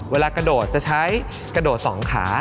เวลากระโดดจะใช้กระโดด๒ขา